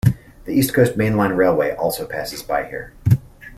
The East Coast Main Line railway also passes by here.